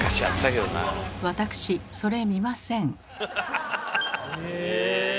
私それ見ません。